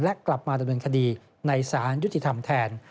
และกลับมาดำเนินคดีในสารยุติธรรมแทน